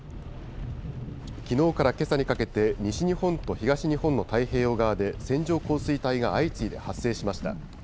きのうからけさにかけて西日本と東日本の太平洋側で線状降水帯が相次いで発生しました。